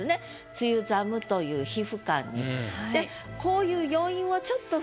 梅雨寒という皮膚感に。